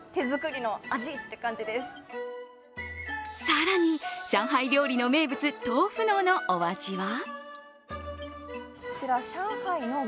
更に上海料理の名物、豆腐のうのお味は？